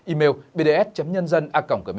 email bds nhân dân a gmail com